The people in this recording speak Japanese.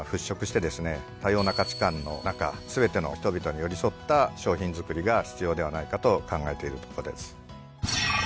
多様な価値観の中全ての人々に寄り添った商品づくりが必要ではないかと考えているとこです。